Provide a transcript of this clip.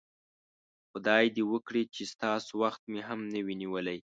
خدای دې وکړي چې ستاسو وخت مې هم نه وي نیولی.